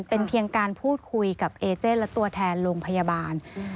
เป็นเพียงการพูดคุยกับเอเจนและตัวแทนโรงพยาบาล